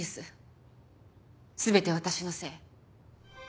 全て私のせい。